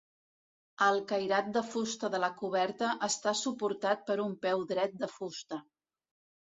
El cairat de fusta de la coberta està suportat per un peu dret de fusta.